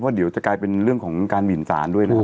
เดี๋ยวจะกลายเป็นเรื่องของการหมินสารด้วยนะครับ